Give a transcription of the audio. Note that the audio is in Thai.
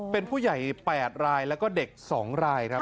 เป็นผู้ใหญ่๘รายแล้วก็เด็ก๒รายครับ